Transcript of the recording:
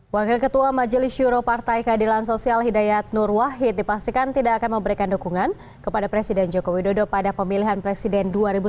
wakil ketua majelis juro partai keadilan sosial hidayat nur wahid dipastikan tidak akan memberikan dukungan kepada presiden joko widodo pada pemilihan presiden dua ribu sembilan belas